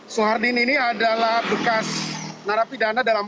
soehardin ini adalah bekas narapidana dalam